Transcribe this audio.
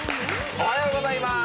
おはようございます。